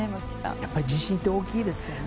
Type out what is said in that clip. やっぱり自信って大きいですよね。